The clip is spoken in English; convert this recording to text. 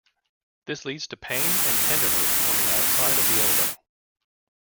This leads to pain and tenderness on the outside of the elbow.